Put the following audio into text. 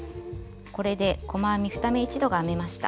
これで細編み２目一度が編めました。